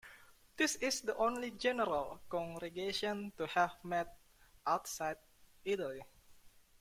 This is the only General Congregation to have met outside Italy.